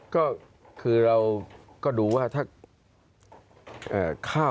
ก็คือเราก็รู้ว่าถ้า